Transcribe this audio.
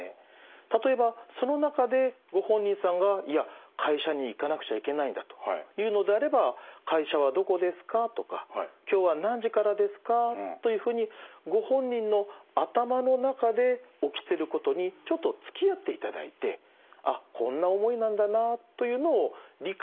例えばその中でご本人さんが「いや会社に行かなくちゃいけないんだ」と言うのであれば「会社はどこですか？」とか「今日は何時からですか？」というふうにご本人の頭の中で起きてることにちょっとつきあっていただいてあっこんな思いなんだなというのを理解いただく